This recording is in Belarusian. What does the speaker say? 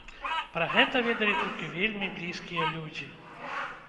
Пра гэта ведалі толькі вельмі блізкія людзі.